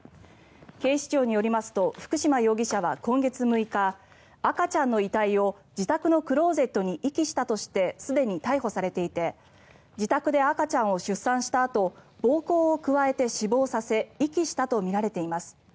警視庁によりますと福島容疑者は今月６日赤ちゃんの遺体を自宅のクローゼットに遺棄したとしてすでに逮捕されていて自宅で赤ちゃんを出産したあと暴行を加えて死亡させ遺棄したとみられています。